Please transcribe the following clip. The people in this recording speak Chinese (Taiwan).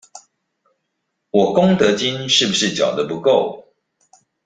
我功德金是不是繳得不夠？